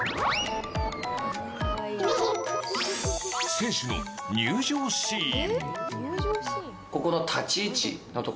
選手の入場シーン。